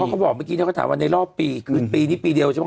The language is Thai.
เขาบอกเมื่อกี้ถ้าเขาถามว่าในรอบปีคือปีนี้ปีเดียวใช่ไหม